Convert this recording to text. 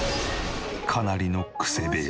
かなりのクセ部屋。